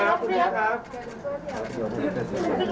ขอบคุณพี่ด้วยนะครับ